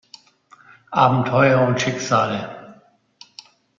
Abenteuer und Schicksale".